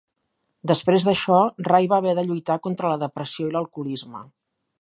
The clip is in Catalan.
Després d'això, Ray va haver de lluitar contra la depressió i l'alcoholisme.